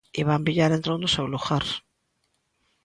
Iván Villar entrou no seu lugar.